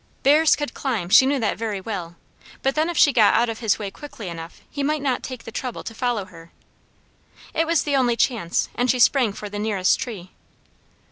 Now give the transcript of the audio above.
Bears could climb, she knew that very well; but then if she got out of his way quickly enough he might not take the trouble to follow her. It was the only chance, and she sprang for the nearest tree.